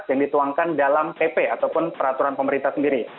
yang dituangkan dalam pp ataupun peraturan pemerintah sendiri